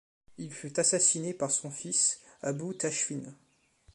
Il fut assassiné par son fils Abû Tâshfîn.